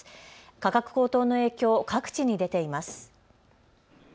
価格高騰の影響、各地に出ています。